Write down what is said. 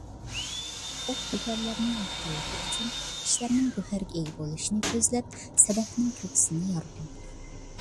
سەدەف گۆھەرلەرنى يىغقانلىقى ئۈچۈن، كىشىلەرنىڭ گۆھەرگە ئىگە بولۇشىنى كۆزلەپ سەدەفنىڭ كۆكسىىنى يارىدۇ.